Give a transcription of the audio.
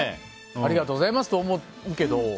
ありがとうございますと思うけど。